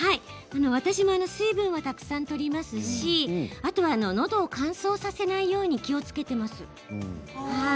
私も水分をたくさんとりますしあとはのどを乾燥させないように気をつけています。